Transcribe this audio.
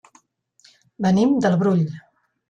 Venim del Brull.